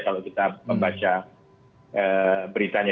kalau kita membaca beritanya